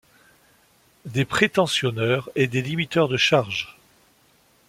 Des prétensionneurs et des limiteurs de charge.